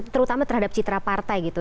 terutama terhadap citra partai gitu